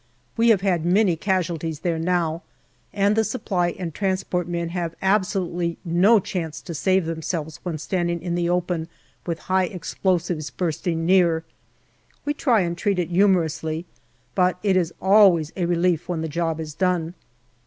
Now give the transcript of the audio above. We have had many casualties there now, and the Supply and Transport men have absolutely no chance to save themselves when 138 GALLIPOLI DIARY standing in the open, with high explosives bursting near. We try and treat it humorously, but it is always a relief when the job is done.